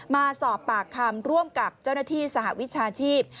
มาสอบปากคำร่วมกับเจ้าหน้าที่สหวิชาชีพ